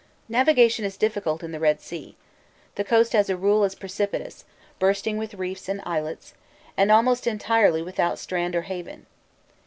Navigation is difficult in the Red Sea. The coast as a rule is precipitous, bristling with reefs and islets, and almost entirely without strand or haven.